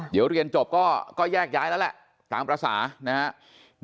เดี๋ยวเรียนจบก็แยกย้ายแล้วแหละตามภาษานะครับ